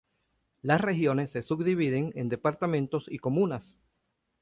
Las Regiones se subdividen en Departamentos y Comunas.